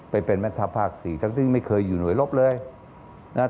ไปเป็นแม่ทัพภาคสี่ทั้งที่ไม่เคยอยู่หน่วยลบเลยนะครับ